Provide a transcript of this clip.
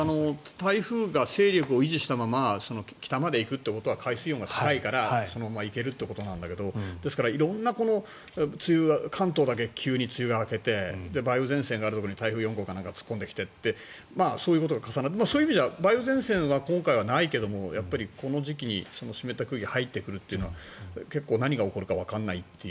台風が勢力を維持したまま北まで行くということは海水温が高いからそのままいけるということなんだけど色んな、関東だけ梅雨が明けて梅雨前線があるところに台風４号が突っ込んできてってそういうことが重なってそういう意味では梅雨前線は今回はないけどこの時期に湿った空気が入ってくるのは何が起こるかわからないと。